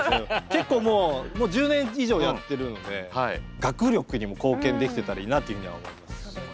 結構もう１０年以上やってるので学力にも貢献できてたらいいなっていうふうには思います。